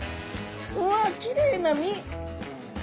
うわっきれいな身。